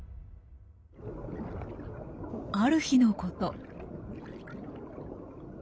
ある日のこと。